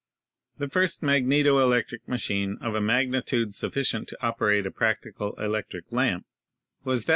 "The first magneto electric machine of a magnitude sufficient to operate a practical electric lamp was that pro Fig.